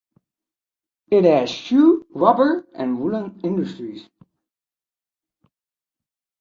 It has shoe, rubber, and woolen industries.